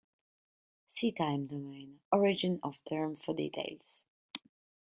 See time domain: origin of term for details.